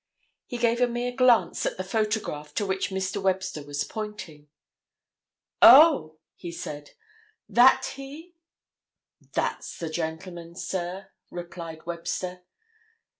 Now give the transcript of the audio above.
He gave a mere glance at the photograph to which Mr. Webster was pointing. "Oh!" he said. "That he?" "That's the gentleman, sir," replied Webster.